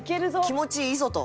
気持ちいいぞと。